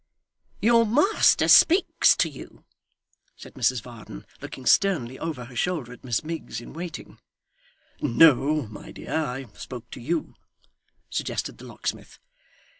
'Your master speaks to you,' said Mrs Varden, looking sternly over her shoulder at Miss Miggs in waiting. 'No, my dear, I spoke to you,' suggested the locksmith.